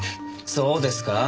そうですか？